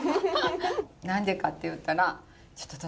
何でかって言ったらちょっとえ。